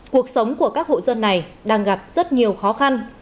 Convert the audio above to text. cuộc sống của các hộ dân này đang gặp rất nhiều khó khăn